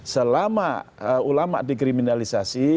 selama ulama dikriminalisasi